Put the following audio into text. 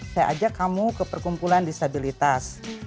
saya ajak kamu ke perkumpulan disabilitas